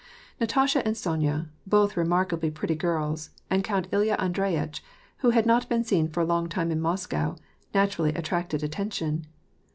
Natasha and Sonya, both remarkably pretty girls, and Count Ilya Andreyitch, who had not been seen for a long time in Moscow, naturally attracted general attention.